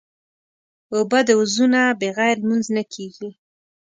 اوبه د وضو نه بغیر لمونځ نه کېږي.